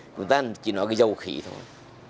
chúng ta chỉ nói cái dầu khí thôi